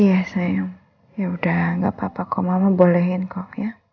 iya sayang yaudah gak apa apa kok mama bolehin kok ya